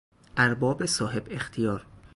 ارباب صاحب اختیار